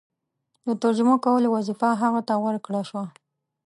د ترجمه کولو وظیفه هغه ته ورکړه شوه.